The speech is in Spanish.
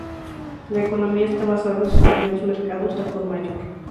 La economía está basada en sus mercados al por mayor.